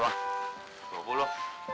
cuma pengen mama ya